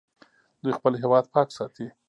دوی خپل هیواد پاک ساتي.